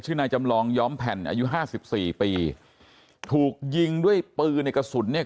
นายจำลองย้อมแผ่นอายุห้าสิบสี่ปีถูกยิงด้วยปืนในกระสุนเนี่ย